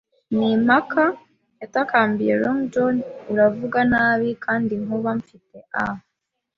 “Ni impaka!” yatakambiye Long John. “Uravuga nabi, kandi inkuba, mfite a